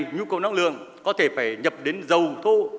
nhu cầu năng lượng có thể phải nhập đến dầu thô